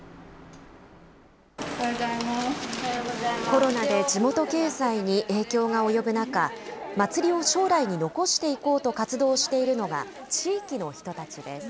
コロナで地元経済に影響が及ぶ中、祭りを将来に残していこうと活動しているのが地域の人たちです。